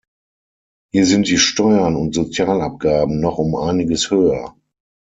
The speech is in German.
Hier sind die Steuern und Sozialabgaben noch um einiges höher.